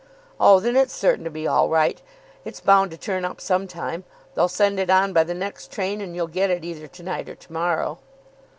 "Oh, then it's certain to be all right. It's bound to turn up some time. They'll send it on by the next train, and you'll get it either to night or to morrow."